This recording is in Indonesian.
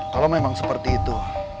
kalau memang seperti itu